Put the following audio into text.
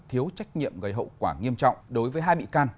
thiếu trách nhiệm gây hậu quả nghiêm trọng đối với hai bị can